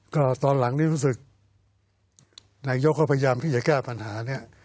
ก็ตอนหลังนี้รู้สึกนายกก็พยายามที่จะแก้ปัญหาเนี่ย